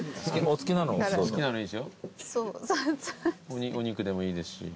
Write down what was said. お肉でもいいですし。